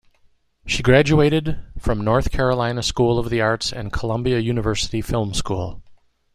She graduated from North Carolina School Of The Arts and Columbia University Film School.